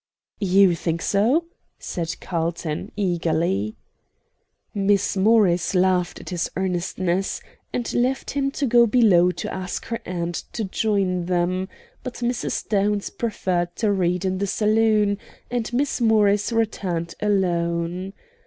"You think so?" said Carlton, eagerly. Miss Morris laughed at his earnestness, and left him to go below to ask her aunt to join them, but Mrs. Downs preferred to read in the saloon, and Miss Morris returned alone.